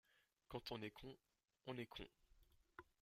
Quand on est con, on est con !